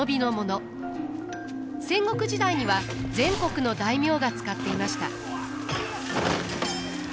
戦国時代には全国の大名が使っていました。